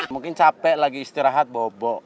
mungkin capek lagi istirahat bobo